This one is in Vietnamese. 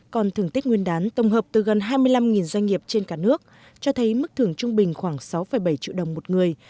còn thưởng tết nguyên đán tổng hợp từ gần hai mươi năm doanh nghiệp trên cả nước cho thấy mức thưởng trung bình khoảng sáu bảy triệu đồng một người